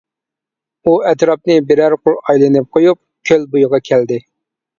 ئۇ ئەتراپنى بىرەر قۇر ئايلىنىپ قويۇپ كۆل بويىغا كەلدى.